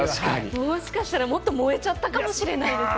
もしかしたらもっと燃えちゃったかもしれないですよね。